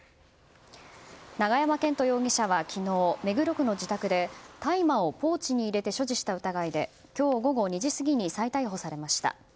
永山絢斗容疑者は昨日目黒区の自宅で大麻をポーチに入れて所持した疑いで今日午後２時過ぎに再逮捕されました。